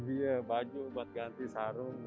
iya baju buat ganti sarung